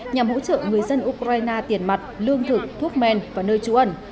nhằm hỗ trợ người dân ukraine tiền mặt lương thực thuốc men và nơi trú ẩn